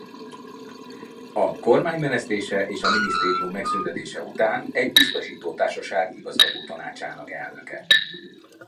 A kormány menesztése és a minisztérium megszüntetése után egy biztosítótársaság igazgatótanácsának elnöke.